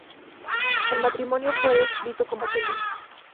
El matrimonio fue descrito como feliz.